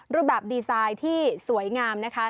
รูปแบบดีไซน์ที่สวยงามนะคะ